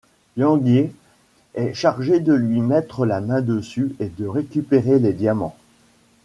Yang-e est chargé de lui mettre la main dessus et de récupérer les diamants.